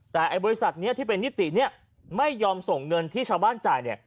แต่ไอ้บริษัทนี้ที่เป็นนิติเนี่ยไม่ยอมส่งเงินที่ชาวบ้านจ่ายเนี่ย